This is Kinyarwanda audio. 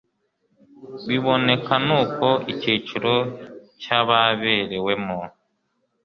biboneka n uko icyiciro cy ababerewemo